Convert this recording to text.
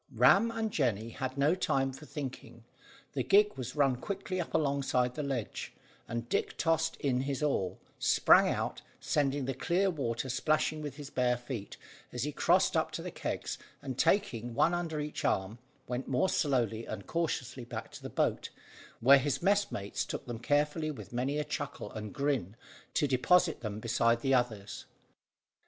Ram and Jemmy had no time for thinking; the gig was run quickly up alongside of the ledge, and Dick tossed in his oar, sprang out, sending the clear water splashing with his bare feet, as he crossed up to the kegs, and, taking one under each arm, went more slowly and cautiously back to the boat, where his messmates took them carefully, with many a chuckle and grin, to deposit them beside the others.